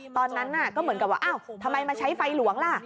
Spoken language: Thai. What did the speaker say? ตอนนั้นก็เหมือนกับว่าอ้าวทำไมมาใช้ไฟหลวงล่ะ